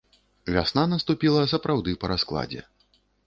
Вясна наступіла сапраўды па раскладзе.